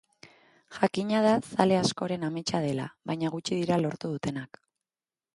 Jakina da zale askoren ametsa dela, baina gutxi dira lortu dutenak.